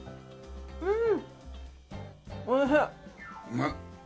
うん！